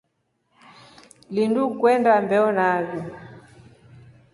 Lindu kwenda mbeo nai.